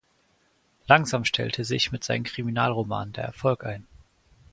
Langsam stellte sich mit seinen Kriminalromanen der Erfolg ein.